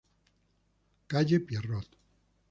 Calle Pierrot.